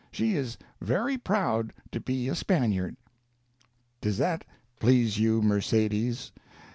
She is very proud to be a Spaniard." Does that please you, Mercedes?